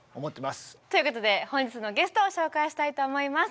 ということで本日のゲストを紹介したいと思います。